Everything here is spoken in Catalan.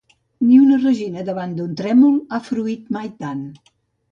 Ni una regina davant d'un trèmol ha fruït mai tant